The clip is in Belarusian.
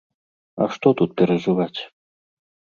А што тут перажываць.